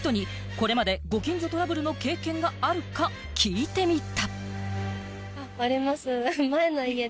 街ゆく人にこれまで、ご近所トラブルの経験があるか聞いてみた。